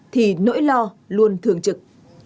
thì nỗi lo luôn thường trực